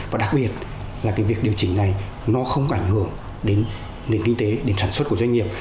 và đặc biệt là cái việc điều chỉnh này nó không ảnh hưởng đến nền kinh tế đến sản xuất của doanh nghiệp